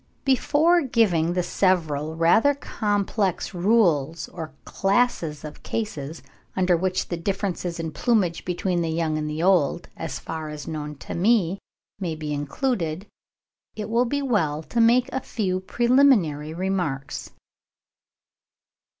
Before giving the several rather complex rules or classes of cases, under which the differences in plumage between the young and the old, as far as known to me, may be included, it will be well to make a few preliminary remarks.